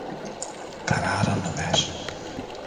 Kararını ver.